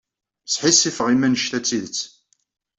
Sḥissifeɣ imi anect-a d tidet.